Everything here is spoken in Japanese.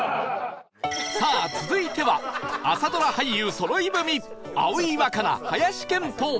さあ続いては朝ドラ俳優そろい踏み葵わかな林遣都